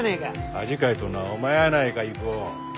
恥かいとんのはお前やないか郁夫。